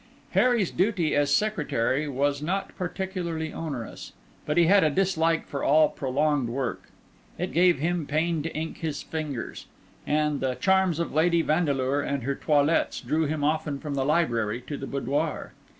Harry's duty as secretary was not particularly onerous; but he had a dislike for all prolonged work; it gave him pain to ink his fingers; and the charms of Lady Vandeleur and her toilettes drew him often from the library to the boudoir.